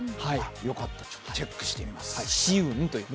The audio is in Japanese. よかった、チェックしてみます。